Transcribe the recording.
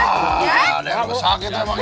ah ada yang sakit emangnya